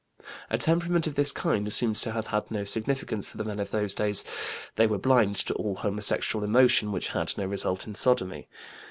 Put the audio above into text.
A temperament of this kind seems to have had no significance for the men of those days; they were blind to all homosexual emotion which had no result in sodomy.